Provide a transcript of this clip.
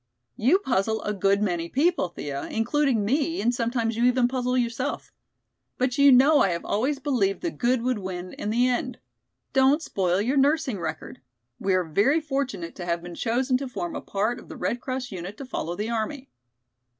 "You puzzle a good many people, Thea, including me and sometimes you even puzzle yourself. But you know I have always believed the good would win in the end. Don't spoil your nursing record. We are very fortunate to have been chosen to form a part of the Red Cross unit to follow the army."